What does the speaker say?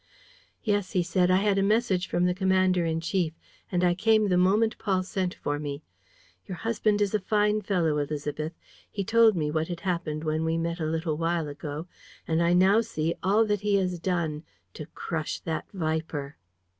"Yes," he said, "I had a message from the commander in chief and I came the moment Paul sent for me. Your husband is a fine fellow, Élisabeth. He told me what had happened when we met a little while ago. And I now see all that he has done ... to crush that viper!"